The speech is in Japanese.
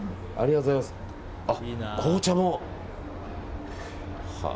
あ、紅茶も。